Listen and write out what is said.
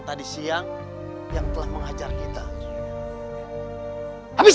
tidak ada ampun bagi pengkhianat seperti kalian